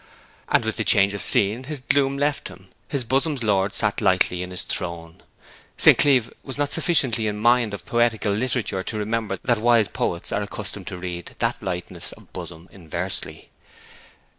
And with the change of scene even his gloom left him; his bosom's lord sat lightly in his throne. St. Cleeve was not sufficiently in mind of poetical literature to remember that wise poets are accustomed to read that lightness of bosom inversely.